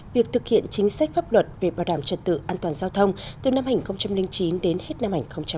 việc thực hiện chính sách pháp luật về bảo đảm trật tự an toàn giao thông từ năm hai nghìn chín đến hết năm hai nghìn một mươi chín